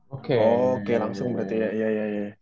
oke oke langsung berarti ya ya